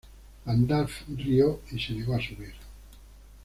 Gandalf rio, y se negó a subir.